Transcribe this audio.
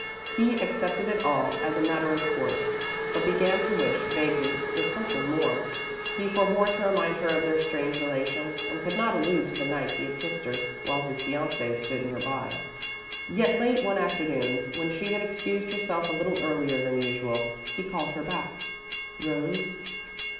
He accepted it all as a matter of course, but began to wish, vaguely, for something more. He forebore to remind her of their strange relation, and could not allude to the night he had kissed her, while his fiancee stood near by. Yet, late one afternoon, when she had excused herself a little earlier than usual, he called her back. "Rose?"